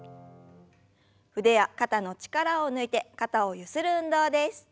腕や肩の力を抜いて肩をゆする運動です。